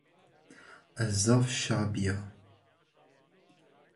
Ez zaf şa bîya!